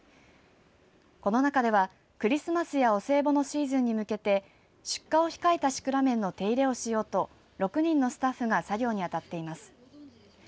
この中ではクリスマスやお歳暮のシーズンに向けて出荷を控えたシクラメンの手入れをしようと６人のスタッフが作業に当たっています。